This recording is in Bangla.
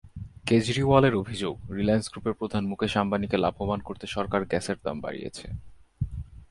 কেজরিওয়ালের অভিযোগ, রিলায়েন্স গ্রুপের প্রধান মুকেশ আম্বানিকে লাভবান করতে সরকার গ্যাসের দাম বাড়িয়েছে।